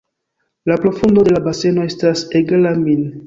La profundo de la baseno estas egala min.